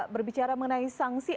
berbicara mengenai sanksi